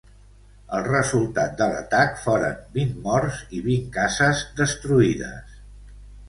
El resultat de l'atac foren vint morts i vint cases destruïdes.